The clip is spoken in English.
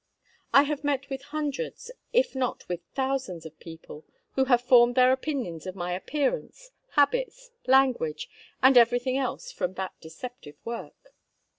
I have met with hundreds, if not with thousands of people, who have formed their opinions of my appearance, habits, language, and every thing else from that deceptive work.